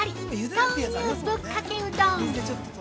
豆乳ぶっかけうどん。